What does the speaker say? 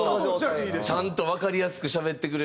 ちゃんとわかりやすくしゃべってくれる。